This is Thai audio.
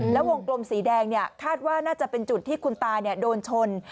แล้ววงกลมสีแดงคาดว่าน่าจะเป็นจุดที่คุณตาโดนชน